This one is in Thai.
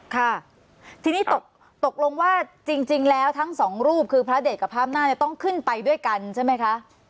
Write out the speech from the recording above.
ค่ะทีนี้ตกลงว่าจริงแล้วทั้งสองรูปคือพระเดชกับพระอำนาจเนี่ยต้องขึ้นไปด้วยกันใช่ไหมคะ